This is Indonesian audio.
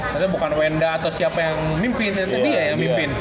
maksudnya bukan wenda atau siapa yang mimpin dia yang mimpin